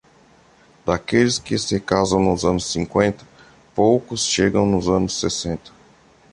Daqueles que se casam nos anos cinquenta, poucos chegam nos anos sessenta.